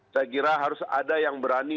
saya kira harus ada yang berani